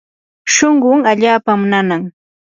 shunqun allaapam nanan.